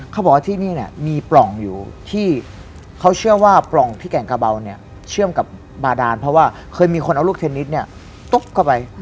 เขาบอกว่าที่นี่เนี่ยมีปล่องอยู่ที่เขาเชื่อว่าปล่องที่แก่งกระเบาเนี่ยเชื่อมกับบาดานเพราะว่าเคยมีคนเอาลูกเทนนิสเนี่ยตุ๊บเข้าไป